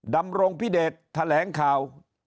ดำรงพิเดชแถลงข่าว